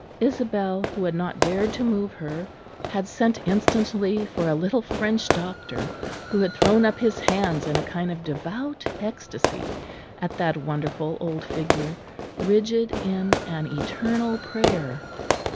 Isabel, who had not dared to move her, had sent instantly for a little French doctor, who had thrown up his hands in a kind of devout ecstasy at that wonderful old figure, rigid in an eternal prayer.